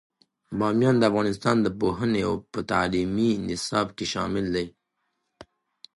بامیان د افغانستان د پوهنې په تعلیمي نصاب کې شامل دی.